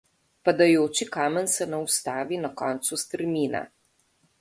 Padajoči kamen se ne ustavi na koncu strmine.